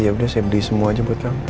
ya udah saya beli semua aja buat bang